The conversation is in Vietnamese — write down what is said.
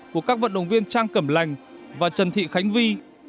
của các vận động viên trang cẩm lành và trần thị khánh vi